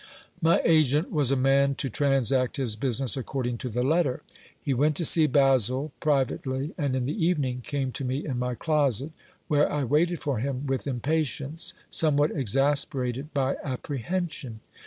My agent was a man to transact his business according to the letter. He went to see Basil privately, and in the evening came to me i*t my closet, where I waited for him with impatience, somewhat exasperated by apprehension.